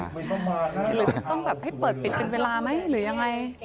หรือจะต้องแบบให้เปิดปิดเป็นเวลาไหมหรือยังไง